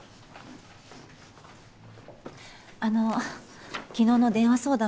あの昨日の電話相談